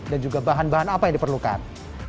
dan juga bahan bahan apa yang diperlukan